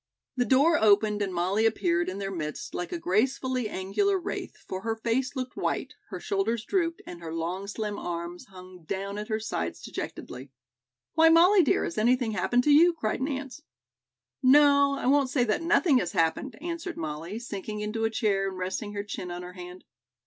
The door opened and Molly appeared in their midst like a gracefully angular wraith, for her face looked white, her shoulders drooped and her long slim arms hung down at her sides dejectedly. "Why, Molly, dear, has anything happened to you?" cried Nance. "No, I won't say that nothing has happened," answered Molly, sinking into a chair and resting her chin on her hand.